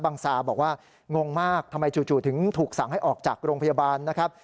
ซาบอกว่างงมากทำไมจู่ถึงถูกสั่งให้ออกจากโรงพยาบาลนะครับ